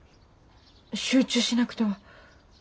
集中しなくては。